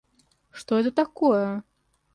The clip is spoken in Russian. Что это такое?